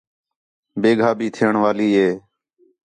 بیگھا بھی تھیݨ والی ہِے